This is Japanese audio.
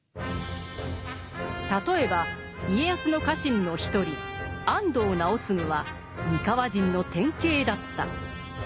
例えば家康の家臣の一人安藤直次は三河人の典型だった。